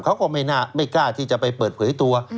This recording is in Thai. เขาก็ไม่กล้าที่จะไปเปิดเผยตัว